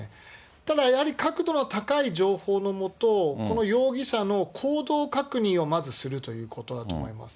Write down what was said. ただやはり、確度の高い情報のもと、この容疑者の行動確認をまずするということだと思います。